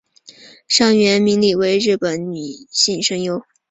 上原明里为日本女性声优。